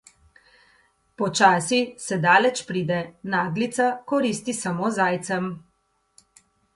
Počasi se daleč pride, naglica koristi samo zajcem.